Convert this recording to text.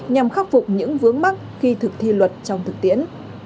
nhằm khắc phục những vướng mắt khi thực thi luật trong thực tiễn